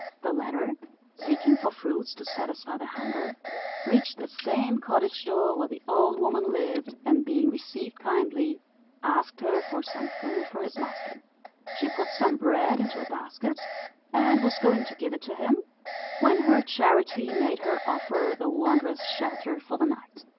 The latter, seeking for fruits to satisfy their hunger, reached the same cottage door where the old woman lived, and being received kindly, asked her for some food for his master. She put some bread into a basket, and was going to give it to him, when her charity made her offer the wanderers shelter for the night.